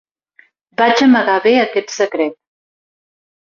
Vaig amagar bé aquest secret.